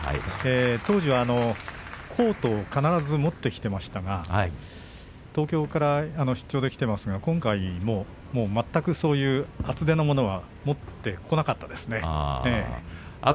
当時はコートを必ず持ってきていましたが、東京から出張で来ていますから今回もう全く厚手のものは持ってきませんでした。